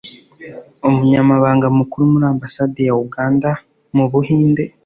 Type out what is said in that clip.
Umunyamabanga Mukuru muri Ambasade ya Uganda mu Buhinde